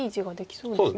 そうですね。